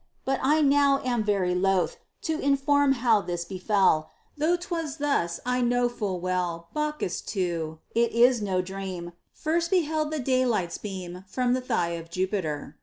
But I now am very loth To inform how this befel; Though 'twas thus, I know full well, Bacchus, too, it is no dream, First beheld the daylight's beam From the thigh of Jupiter.